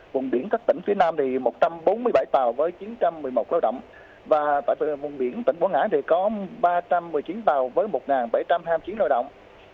vùng biển tỉnh quảng ngãi thì có ba trăm một mươi chín tàu với một bảy trăm hai mươi chín lao động